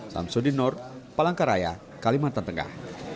sam sudinor palangkaraya kalimantan tengah